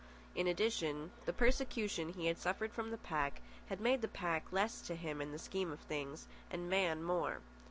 In addition, the persecution he had suffered from the pack had made the pack less to him in the scheme of things, and man more.